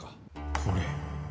これ